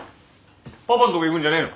パパんとこ行くんじゃねえの？